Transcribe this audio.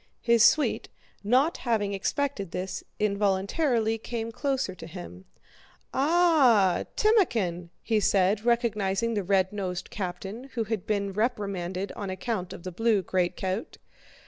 His suite, not having expected this, involuntarily came closer to him. "Ah, Timókhin!" said he, recognizing the red nosed captain who had been reprimanded on account of the blue greatcoat.